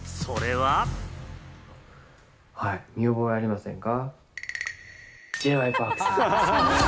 はい、見覚えがありませんか？